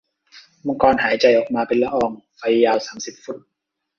มังกรหายใจออกมาเป็นละอองไฟยาวสามสิบฟุต